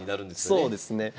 そうですね。